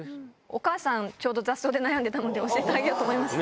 お母さん雑草で悩んでたので教えてあげようと思います。